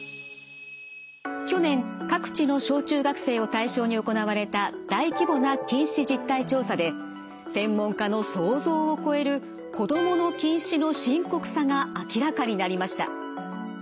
去年各地の小中学生を対象に行われた大規模な近視実態調査で専門家の想像を超える子どもの近視の深刻さが明らかになりました。